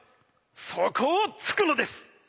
そこをつくのです。